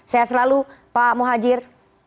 saya selalu pak muhajir